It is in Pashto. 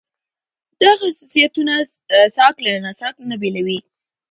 دا خصوصيتونه ساکښ له ناساکښ نه بېلوي.